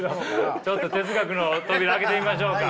ちょっと哲学の扉開けてみましょうか。